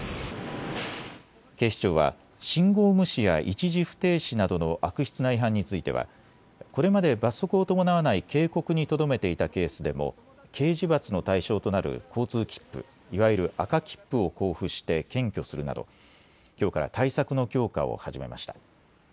警視庁は信号無視や一時不停止などの悪質な違反についてはこれまで罰則を伴わない警告にとどめていたケースでも刑事罰の対象となる交通切符、いわゆる赤切符を交付して検挙するなどきょうから対策の強化を始めました。